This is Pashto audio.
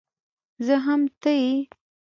زه هم ته يې